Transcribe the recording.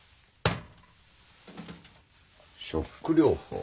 ショック療法？